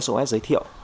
sos giới thiệu